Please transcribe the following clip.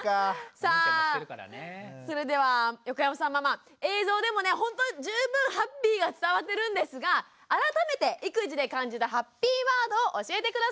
さあそれでは横山さんママ映像でもねほんと十分ハッピーが伝わってるんですが改めて育児で感じたハッピーワードを教えて下さい。